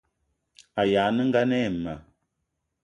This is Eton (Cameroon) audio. O ayag' nengan ayi ma